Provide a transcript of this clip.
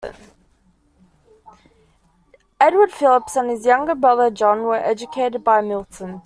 Edward Phillips and his younger brother, John, were educated by Milton.